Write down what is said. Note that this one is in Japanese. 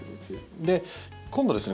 で、今度ですね